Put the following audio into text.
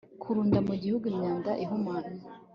kurunda mu Gihugu imyanda ihumanya